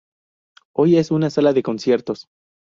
Hoy es una sala de conciertos.